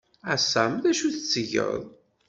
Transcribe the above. A Sam, d acu tettgeḍ?